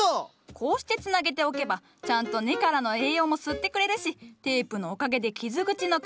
こうしてつなげておけばちゃんと根からの栄養も吸ってくれるしテープのおかげで傷口の乾燥も防げる。